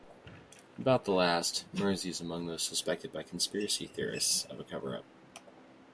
About the last, Mersey is among those suspected by conspiracy theorists of a coverup.